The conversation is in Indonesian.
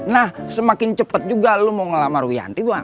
nah semakin cepet juga lu mau ngelamar wianti doang